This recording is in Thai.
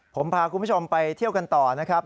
ผมพาคุณผู้ชมไปเที่ยวกันต่อนะครับ